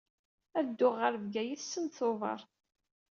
Ad dduɣ ɣer Bgayet send Tubeṛ.